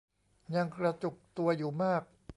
ยังกระจุกตัวอยู่มาก